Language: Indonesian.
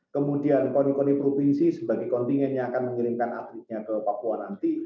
kemudian koni koni provinsi sebagai kontingen yang akan mengirimkan atletnya ke papua nanti